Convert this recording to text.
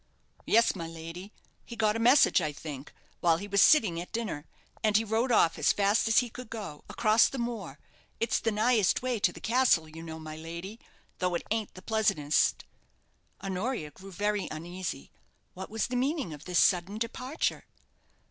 "Yes, my lady. He got a message, I think, while he was sitting at dinner, and he rode off as fast as he could go, across th' moor it's the nighest way to the castle, you know, my lady; though it ain't the pleasantest." Honoria grew very uneasy. What was the meaning of this sudden departure?